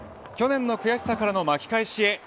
去年の悔しさからの巻き返しへ